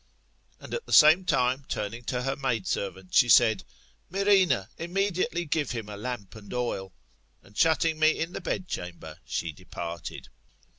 And at the same time turning to her maid servant, she said, Myrrhina, immediately give him a lamp and oil, and shutting me in the bedchamber, she departed.